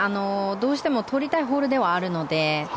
どうしても取りたいホールではあるので。